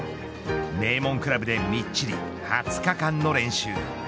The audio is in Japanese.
名門クラブでみっちり２０日間の練習。